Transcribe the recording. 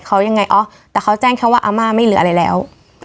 เขายังไงอ๋อแต่เขาแจ้งแค่ว่าอาม่าไม่เหลืออะไรแล้ว